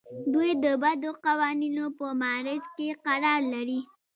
دوی د بدو قوانینو په معرض کې قرار لري.